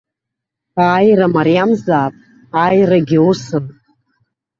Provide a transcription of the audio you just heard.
Ааира мариамзаап, ааирагьы усын.